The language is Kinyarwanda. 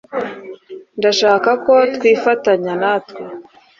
ndashaka ko twifatanya natwe